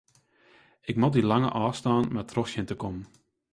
Ik moat dy lange ôfstân mar troch sjen te kommen.